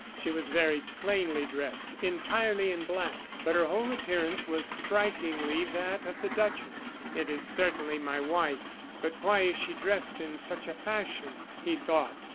She was very plainly dressed entirely in black but her whole appearance was strikingly that of the duchess. "It is certainly my wife; but why is she dressed in such a fashion?" he thought.